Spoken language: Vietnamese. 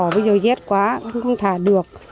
bây giờ rét quá không thả được